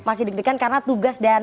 masih deg degan karena tugas dan